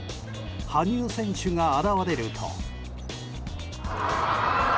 羽生選手が現れると。